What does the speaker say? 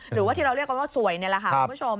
หรือว่าที่เราเรียกกันว่าสวยนี่แหละค่ะคุณผู้ชม